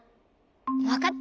わかった！